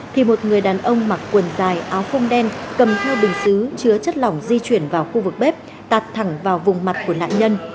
thì một người đàn ông mặc quần dài áo không đen cầm theo bình xứ chứa chất lỏng di chuyển vào khu vực bếp tạt thẳng vào vùng mặt của nạn nhân